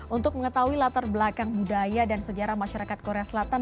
untuk mengetahui latar belakang budaya dan sejarah masyarakat korea selatan